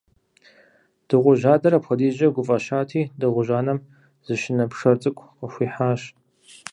Дыгъужь адэр апхуэдизкӀэ гуфӀэщати, дыгъужь анэм зы щынэ пшэр цӀыкӀу къыхуихьащ.